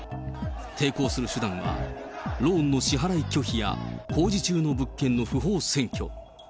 抵抗する手段は、ローンの支払い拒否や工事中の物件の不法占拠。